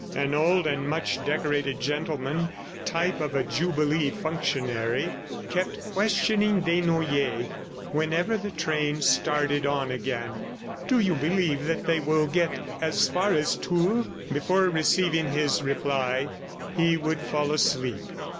An old and much decorated gentleman, type of a jubilee functionary, kept questioning Desnoyers whenever the train started on again "Do you believe that they will get as far as Tours?" Before receiving his reply, he would fall asleep.